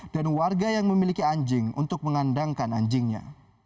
dan warga yang memiliki anjing untuk mengandangkan anjingnya